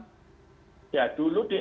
dari mana kemudian dukungan datang